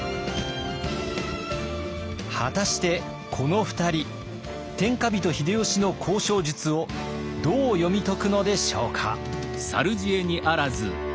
果たしてこの２人天下人秀吉の交渉術をどう読み解くのでしょうか？